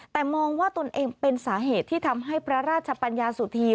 แต่มองว่าตนเองเป็นสาเหตุที่ทำให้พระราชปัญญาสุธี